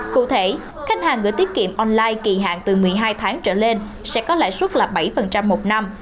cụ thể khách hàng gửi tiết kiệm online kỳ hạn từ một mươi hai tháng trở lên sẽ có lãi suất là bảy một năm